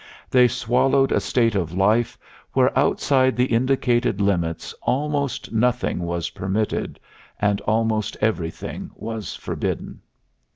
They swallowed a state of life where outside the indicated limits almost nothing was permitted and almost everything was forbidden.